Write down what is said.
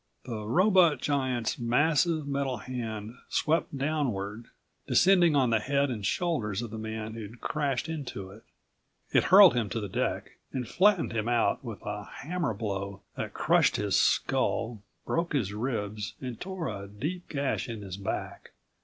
The robot giant's massive metal hand swept downward, descending on the head and shoulders of the man who'd crashed into it. It hurled him to the deck, and flattened him out with a hammer blow that crushed his skull, broke his ribs, and tore a deep gash in his back.